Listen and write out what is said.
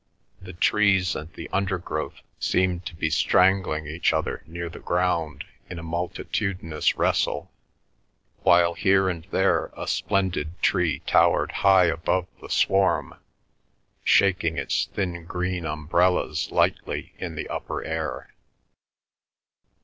The trees and the undergrowth seemed to be strangling each other near the ground in a multitudinous wrestle; while here and there a splendid tree towered high above the swarm, shaking its thin green umbrellas lightly in the upper air.